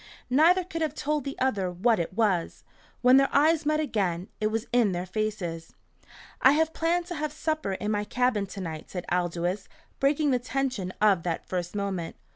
Neither could have told the other what it was. When their eyes met again, it was in their faces. "I have planned to have supper in my cabin to night," said Aldous, breaking the tension of that first moment.